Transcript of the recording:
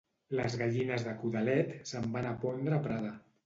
Les gallines de Codalet se'n van a pondre a Prada.